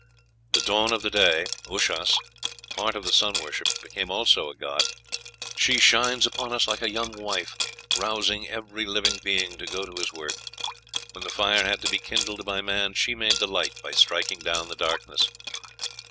The dawn of the day (Ushas), part of the sun worship, became also a god: "She shines upon us like a young wife, rousing every living being to go to his work. When the fire had to be kindled by man, she made the light by striking down the darkness."